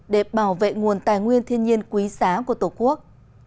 để bảo vệ nguồn tài nguyên thiên nhiên quý giá của tổ quốc